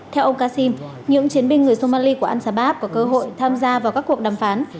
theo ông kassim những chiến binh người somali của al sabab có cơ hội tham gia vào các cuộc đàm phán